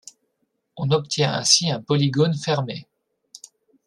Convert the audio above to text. On obtient ainsi un polygone fermé.